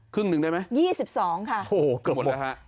ครึ่งนึงได้ไหม๒๒ค่ะเกือบหมดแล้วค่ะ